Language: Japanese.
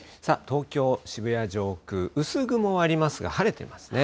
東京・渋谷上空、薄雲はありますが、晴れていますね。